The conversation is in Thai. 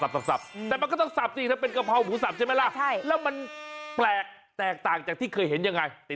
สับแต่มันก็ต้องสับสินะเป็นกะเพราหมูสับใช่ไหมล่ะใช่แล้วมันแปลกแตกต่างจากที่เคยเห็นยังไง